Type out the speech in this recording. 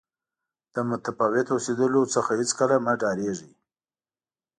د متفاوت اوسېدلو څخه هېڅکله مه ډارېږئ.